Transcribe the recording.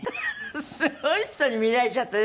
すごい人に見られちゃったね